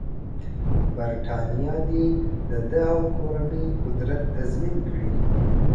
برټانیه دې د ده او کورنۍ قدرت تضمین کړي.